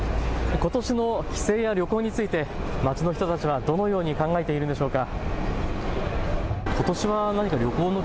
ことしの帰省や旅行について街の人たちはどのように考えているんでしょうか。